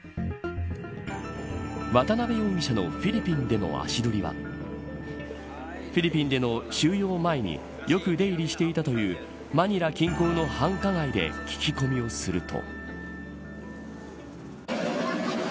渡辺容疑者のフィリピンでの足取りはフィリピンでの収容前によく出入りしていたというマニラ近郊の繁華街で聞き込みをすると。